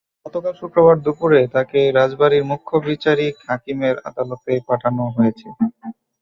গতকাল শুক্রবার দুপুরে তাঁকে রাজবাড়ীর মুখ্য বিচারিক হাকিমের আদালতে পাঠানো হয়েছে।